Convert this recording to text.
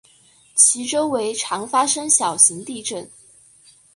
其周围常发生小型地震。